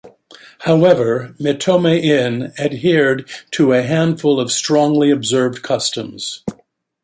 However, "mitome-in" adhere to a handful of strongly observed customs.